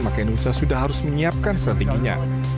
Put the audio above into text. maka indonesia sudah harus menyiapkan strateginya